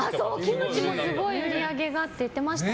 キムチもすごい売り上げがって言ってました。